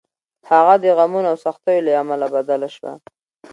هغه د غمونو او سختیو له امله بدله شوه.